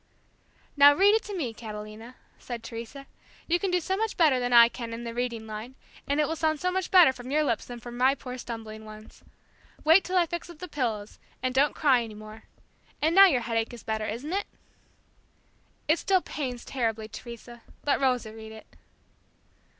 "Now, read it to me, Catalina," said Teresa. "You can do so much better than I can in the reading line, and it will sound so much better from your lips than from my poor stumbling ones. Wait till I fix up the pillows, and don't cry any more. And now your headache is better, isn't it?" "It still pains terribly, Teresa. Let Rosa read it."